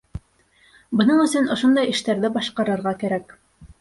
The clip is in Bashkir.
Бының өсөн ошондай эштәрҙе башҡарырға кәрәк.